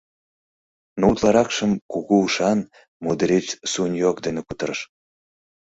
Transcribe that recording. Но утларакшым кугу ушан, мудреч Суньог дене кутырыш.